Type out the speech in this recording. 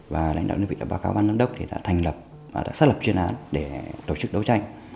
và lãnh đạo nhân vị và báo cáo bán lãnh đốc thì đã thành lập đã xác lập chuyên án để tổ chức đấu tranh